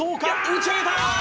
「打ち上げた！